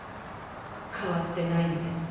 変わってないのね